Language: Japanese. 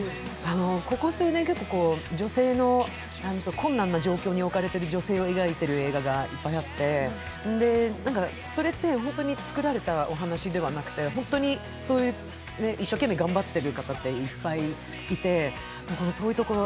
ここ数年、困難な状況に置かれている女性を描いてる映画がいっぱいあって、それって本当に作られたお話ではなくて本当に一生懸命頑張ってる人がたくさんいて、この「遠いところ」